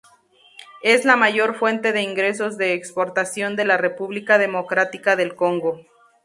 Es la mayor fuente de ingresos de exportación de la República Democrática del Congo.